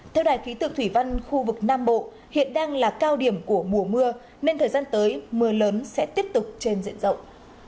theo đài khí tượng thủy văn khu vực nam bộ hiện đang là cao điểm của mùa mưa nên thời gian tới mưa lớn sẽ tiếp tục trên diện rộng